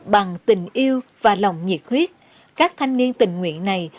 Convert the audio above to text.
bằng tình yêu và lòng nhiệt huyết các thanh niên tình nguyện này